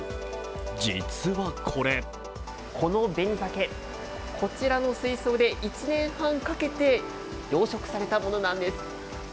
実はこれこのベニザケ、こちらの水槽で１年半かけて養殖されたものなんです。